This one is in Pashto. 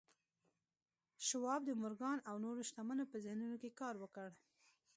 شواب د مورګان او نورو شتمنو په ذهنونو کې کار وکړ